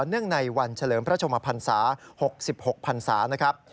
เนื่องในวันเฉลิมพระชมภัณฑ์ศาสตร์๖๖ภัณฑ์ศาสตร์